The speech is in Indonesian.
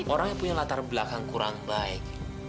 orang yang punya latar belakang kurang baik